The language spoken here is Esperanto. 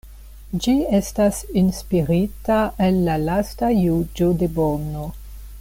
Ĝi estas inspirita el la lasta juĝo de Bono.